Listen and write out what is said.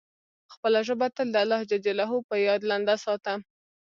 خپله ژبه تل د الله جل جلاله په یاد لنده ساته.